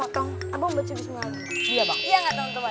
abang baca bismillahirrahmanirrahim iya bang iya gak dong teman teman